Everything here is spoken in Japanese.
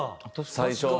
最初。